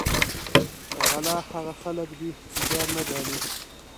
غله هغه خلک دي چې زیار نه ګالي